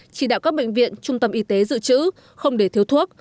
chỉ đạo các bệnh viện trung tâm y tế dự trữ không để thiếu thuốc